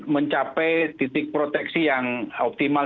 mencapai titik proteksi yang optimal